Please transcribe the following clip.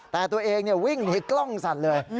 แต่ตัวเองวิ่งหนีกล้องสั่นเลย